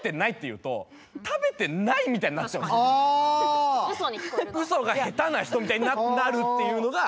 うそが下手な人みたいになるっていうのが。